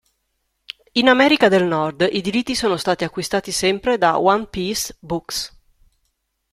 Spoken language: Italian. In America del Nord i diritti sono stati acquistati sempre da One Peace Books.